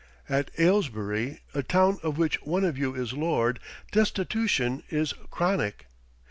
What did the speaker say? At Ailesbury, a town of which one of you is lord, destitution is chronic.